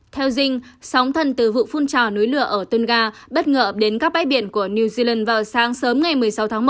theo dinh sóng thần từ vụ phun trào núi lửa ở tunga bất ngờ đến các bãi biển của new zealand vào sáng sớm ngày một mươi sáu tháng một